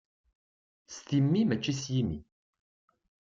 S timmi mačči s yimi.